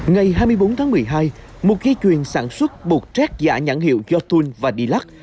ngày hai mươi bốn tháng một mươi hai một ghi chuyền sản xuất bột rét giả nhãn hiệu jotun và dilac